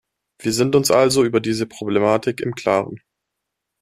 Wir sind uns also über diese Problematik im Klaren.